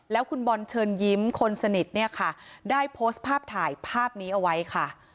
แล้วคุณบอลเชิญยิ้มคนสนิทเนี่ยค่ะได้โพสต์ภาพถ่ายภาพนี้เอาไว้ค่ะ